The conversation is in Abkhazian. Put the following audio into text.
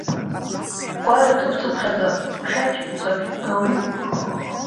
Гәаҩа ҭыԥ-цыԥхьаӡа ушәақь мцабжь гауеит.